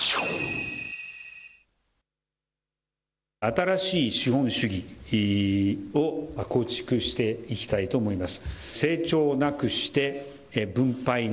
新しい資本主義を構築していきたいと思います。